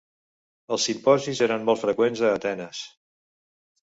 Els simposis eren molt freqüents a Atenes.